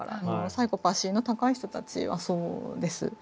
サイコパシーの高い人たちはそうです。